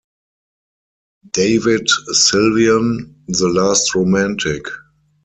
"David Sylvian: the Last Romantic".